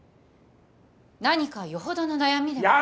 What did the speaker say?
何かよほどの悩みでも。